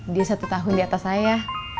dia satu tahun diatas saya